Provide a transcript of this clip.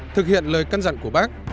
thực hiện lời căn dặn của bác